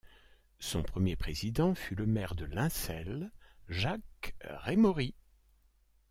Son premier président fut le maire de Linselles, Jacques Rémory.